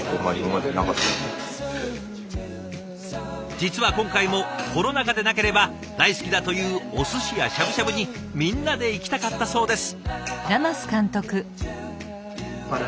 実は今回もコロナ禍でなければ大好きだというおすしやしゃぶしゃぶにみんなで行きたかったそうです。